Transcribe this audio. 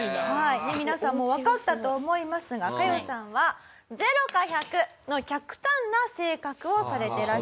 皆さんもわかったと思いますがカヨさんは０か１００の極端な性格をされてらっしゃいます。